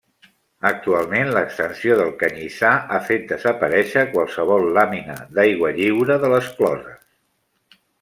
Actualment l’extensió del canyissar ha fet desaparéixer qualsevol làmina d’aigua lliure de les closes.